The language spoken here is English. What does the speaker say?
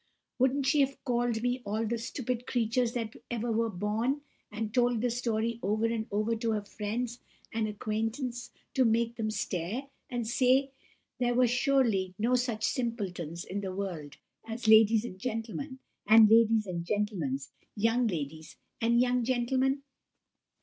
Wouldn't she have called me all the stupid creatures that ever were born, and told the story over and over to all her friends and acquaintance to make them stare, and say there were surely no such simpletons in the world as ladies and gentlemen, and ladies' and gentlemen's young ladies and young gentlemen?